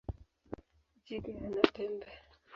Jike hana pembe.